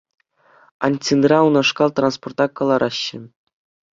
Аньцинра унашкал транспорта кӑлараҫҫӗ.